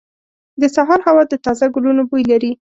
• د سهار هوا د تازه ګلونو بوی لري.